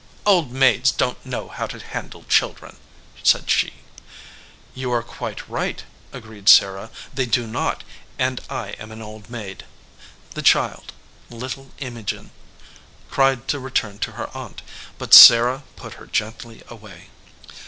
"Old maids don t know how to handle children," said she. "You are quite right," agreed Sarah. "They do not, and I am an old maid." The child, little Imogen, cried to return to her aunt, but Sarah put her gently away.